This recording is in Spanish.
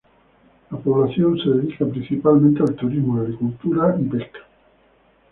La población se dedica principalmente al turismo, agricultura y pesca.